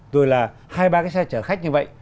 rồi là hai ba cái xe chở khách như vậy